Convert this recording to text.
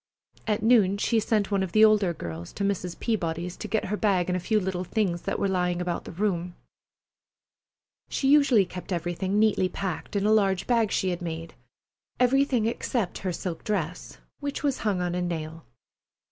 At noon she sent one of the older girls to Mrs. Peabody's, to get her bag and a few little things that were lying about the room. She usually kept everything neatly packed in a large bag she had made—everything except her silk dress, which was hung on a nail.